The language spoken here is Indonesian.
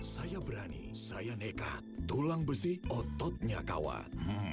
saya berani saya nekat tulang besi ototnya kawat